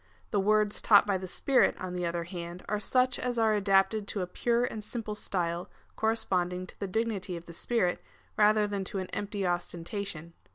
The words taught by the Spirit, on the other hand, are such as are adapted to a pure and simple style, correspond ing to the dignity of the Spirit, ratlier than to an empty ostentation.